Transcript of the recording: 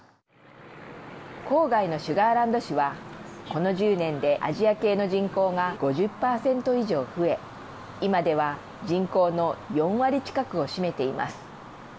郊外のシュガーランド市はこの１０年でアジア系の人口が５０％以上増え今では人口の４割近くを占めています。